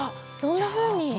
どんなふうに。